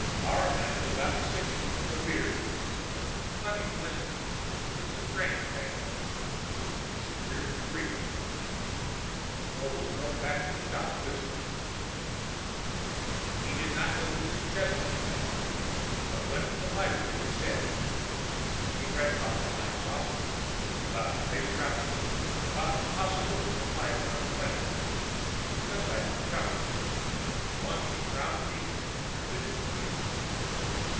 "Our man is about sixty, with a beard," he said. "Funny coincidence. It's a strange name." Mrs. Reardon agreed. Vogel drove back to the shop, whistling. He did not go to his chess club that night, but went to the library instead. He read about Flying Saucers, about space travel, about the possibility of life on other planets. Sometimes he chuckled. Once he frowned deeply and bit his lip.